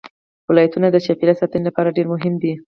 ولایتونه د چاپیریال ساتنې لپاره ډېر مهم دي.